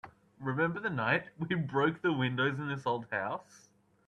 Remember the night we broke the windows in this old house?